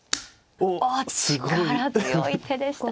おっ力強い手でしたね